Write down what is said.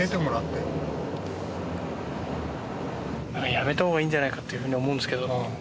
やめた方がいいんじゃないかっていうふうに思うんですけども。